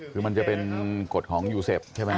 คือมันจะเป็นกฎของยูเซฟใช่ไหม